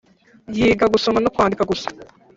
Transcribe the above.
yiga gusoma no kwandika gusa